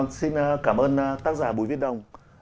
vâng xin cảm ơn tác giả bùi viết đồng